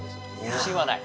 自信はない？